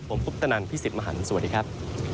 ผมพุทธนันพี่สิทธิ์มหันฯสวัสดีครับ